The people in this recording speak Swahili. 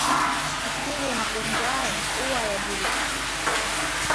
Asili ya magonjwa haya huwa hayajulikani.